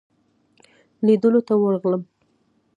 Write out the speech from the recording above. لیدلو ته ورغلم.